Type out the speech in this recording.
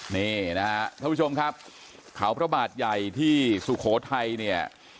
พระผู้ชมครับขาวพระบาทใหญ่ที่สุโขทัยเนี่ย